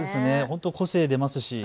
個性出ますし。